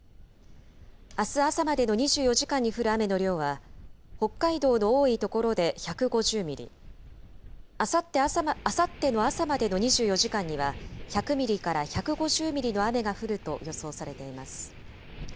あす朝までの２４時間に降る雨の量は、北海道の多い所で１５０ミリ、あさっての朝までの２４時間には１００ミリから１５０ミリの雨が降ると予想されています。